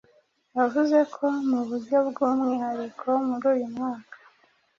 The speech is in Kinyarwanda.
Yavuze ko mu buryo bw’umwihariko muri uyu mwaka